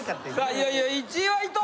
いよいよ１位は伊藤！